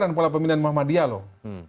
pola pemilihan muhammadiyah loh